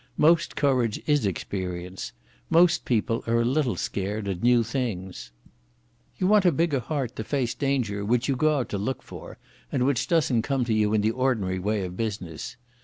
Most courage is experience. Most people are a little scared at new things ..._ _You want a bigger heart to face danger which you go out to look for, and which doesn't come to you in the ordinary way of business.